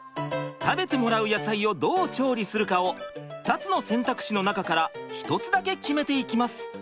食べてもらう野菜をどう調理するかを２つの選択肢の中から１つだけ決めていきます。